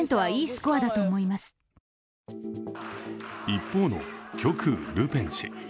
一方の極右・ルペン氏。